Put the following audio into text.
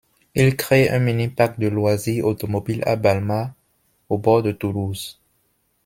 Il crée un mini-parc de loisirs automobiles à Balma, au bord de Toulouse.